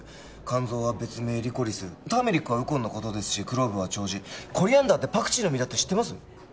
甘草は別名リコリスターメリックはウコンのことですしクローブは丁子コリアンダーってパクチーの実だって知ってます？